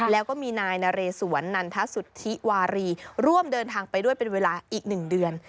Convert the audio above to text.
แล้วก็มีนายนเรสวนนันทสุทธิวารีร่วมเดินทางไปด้วยเป็นเวลาอีก๑เดือน